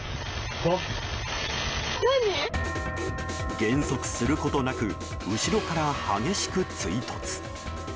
減速することなく後ろから激しく追突！